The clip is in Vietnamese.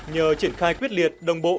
nhờ triển khai quyết liệt đồng bộ